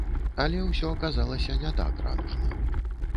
Але ўсё аказалася не так радужна.